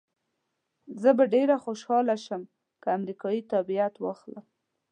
زه به ډېره خوشحاله شم که امریکایي تابعیت واخلم.